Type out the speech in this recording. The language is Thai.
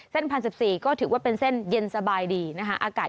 เส้นพันสิบสี่ก็ถือว่าเป็นเส้นเย็นสบายดีนะคะอากาศ